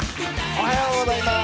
おはようございます。